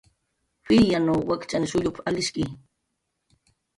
"P""iryanw wakchan shullup"" alishki"